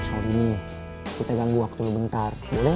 so ini kita ganggu waktu lo bentar boleh